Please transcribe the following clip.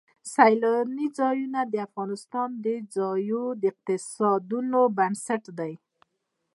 سیلانی ځایونه د افغانستان د ځایي اقتصادونو بنسټ دی.